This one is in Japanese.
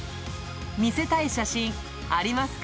見せたい写真、ありますか？